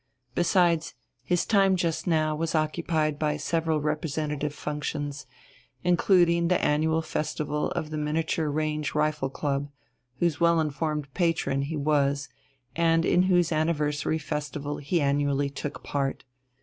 Besides, his time just now was occupied by several representative functions, including the annual festival of the Miniature Range Rifle Club, whose well informed patron he was and in whose anniversary festival he annually took part.